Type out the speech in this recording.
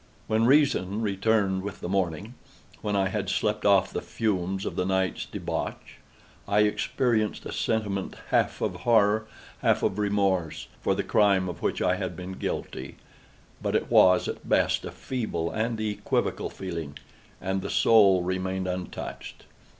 When reason returned with the morning—when I had slept off the fumes of the night's debauch—I experienced a sentiment half of horror, half of remorse, for the crime of which I had been guilty; but it was, at best, a feeble and equivocal feeling, and the soul remained untouched.